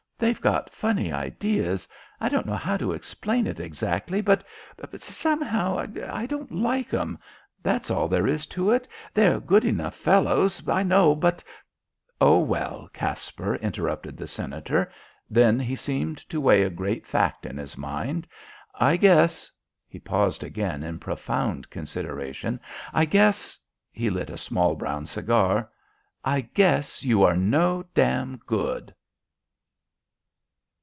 They've got funny ideas. I don't know how to explain it exactly, but somehow I don't like 'em. That's all there is to it. They're good fellows enough, I know, but " "Oh, well, Caspar," interrupted the Senator. Then he seemed to weigh a great fact in his mind. "I guess " He paused again in profound consideration. "I guess " He lit a small, brown cigar. "I guess you are no damn good." THE END.